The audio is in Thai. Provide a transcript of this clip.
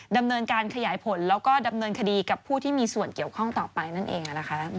ดำเนินการขยายผลแล้วก็ดำเนินคดีกับผู้ที่มีส่วนเกี่ยวข้องต่อไปนั่นเองนะคะ